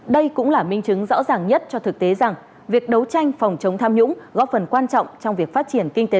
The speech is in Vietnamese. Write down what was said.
đây cũng là minh chứng rõ ràng nhất cho thực tế rằng việc đấu tranh phòng chống tham nhũng góp phần quan trọng trong việc phát triển kinh tế